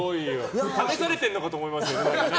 試されてるのかと思いますよね。